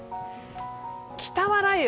北は雷雨、